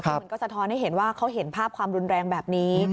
มันก็สะท้อนให้เห็นว่าเขาเห็นภาพความรุนแรงแบบนี้